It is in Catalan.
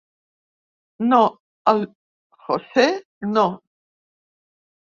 No, el José no.